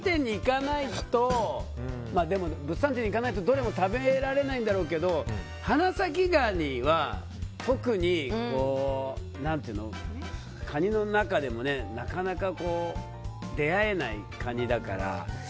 あの物産展に行かないとどれも食べられないんだろうけど花咲ガニは特にカニの中でもなかなか出会えないカニだから。